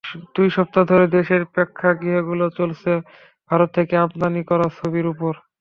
দুই সপ্তাহ ধরে দেশের প্রেক্ষাগৃহগুলো চলছে ভারত থেকে আমদানি করা ছবির ওপর।